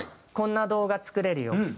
「こんな動画作れるよ」